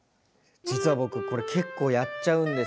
実は僕これ結構やっちゃうんですけど。